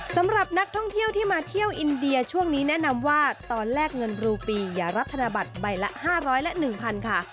สำหรับนักท่องเที่ยวที่มาเที่ยวอินเดียช่วงนี้แนะนำว่าตอนแรกเงินรูปีอย่ารับธนบัตรใบละ๕๐๐และ๑๐๐ค่ะ